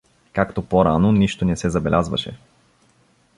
Както по-рано, нищо не се забелязваше.